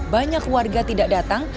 banyak warga tidak datang